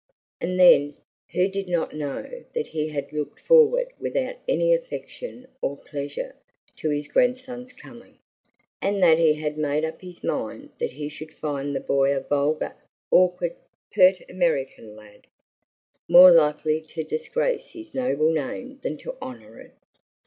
And then, who did not know that he had looked forward without any affection or pleasure to his grandson's coming, and that he had made up his mind that he should find the boy a vulgar, awkward, pert American lad, more likely to disgrace his noble name than to honor it?